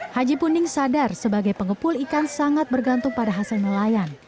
haji punding sadar sebagai pengepul ikan sangat bergantung pada hasil nelayan